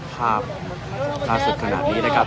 ภาพล่าสุดขนาดนี้นะครับ